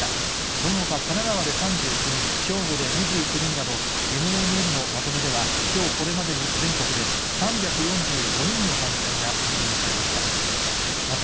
そのほか、神奈川で３９人、兵庫で２９人など、ＮＮＮのまとめでは、きょうこれまでに全国で３４５人の感染が確認されました。